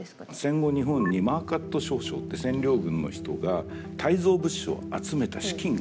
戦後日本にマーカット少将って占領軍の人が退蔵物資を集めた資金があると。